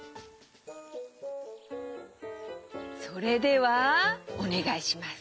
それではおねがいします。